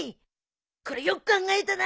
これよく考えたな。